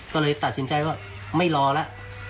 ก็เลยตัดสินใจว่าไม่รอแล้ว